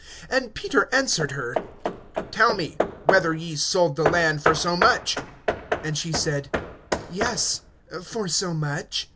(8)And Peter answered her: Tell me, whether ye sold the land for so much? And she said: Yes, for so much.